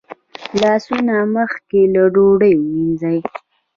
لاسونه مخکې له ډوډۍ ووینځئ